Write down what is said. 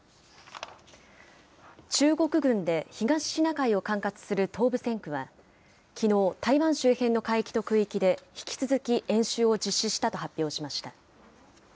中国軍で東シナ海を管轄する東部戦区はきのう、台湾周辺の海域と空域で、引き続き演習を実施したと発表しました。